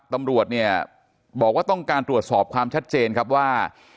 ตำรวจเนี่ยบอกว่าต้องการตรวจสอบความชัดเจนครับว่า